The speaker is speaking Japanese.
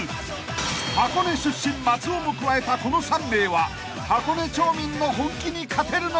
［箱根出身松尾も加えたこの３名は箱根町民の本気に勝てるのか！？］